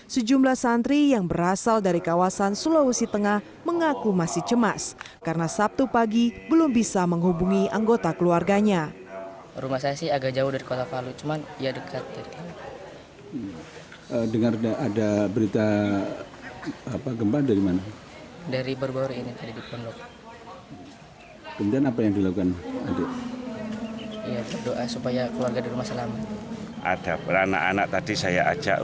sejumlah santri yang berasal dari kawasan sulawesi tengah mengaku masih cemas karena sabtu pagi belum bisa menghubungi anggota keluarganya